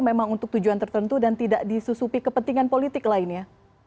memang untuk tujuan tertentu dan tidak disusupi kepentingan politik lainnya